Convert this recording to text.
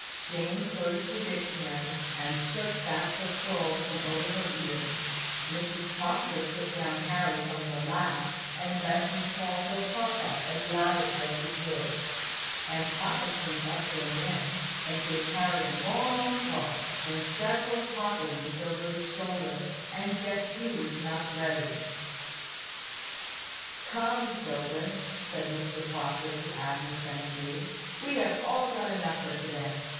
Jane closed her dictionary, and shook back her curls from over her eyes; Mrs Proctor put down Harry from her lap, and let him call for papa as loud as he would; and papa came bustling in, and gave Harry a long toss, and several topplings over his shoulder, and yet Hugh was not ready. "Come, children," said Mr Proctor to Agnes and Hugh, "we have all done enough for to day.